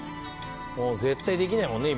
もう絶対できないもんね